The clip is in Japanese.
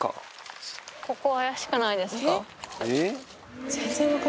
ここ、怪しくないですか。